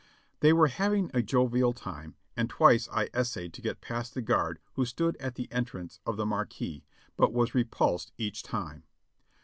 They were having a jovial time, and twice I essayed to get past the guard who stood at the entrance of the marquee, but was repulsed each time.